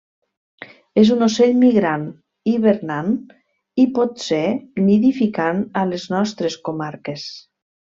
És un ocell migrant, hivernant i, potser, nidificant a les nostres comarques.